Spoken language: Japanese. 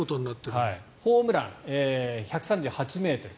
ホームラン１３８ｍ。